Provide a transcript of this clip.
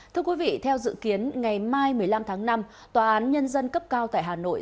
thưa quý vị theo dự kiến ngày mai một mươi năm tháng năm tòa án nhân dân cấp cao tại hà nội